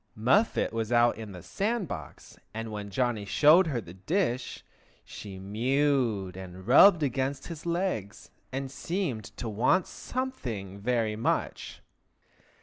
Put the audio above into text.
Muffet was out in the sand box, and when Johnny showed her the dish she mewed and rubbed against his legs, and seemed to want something very much.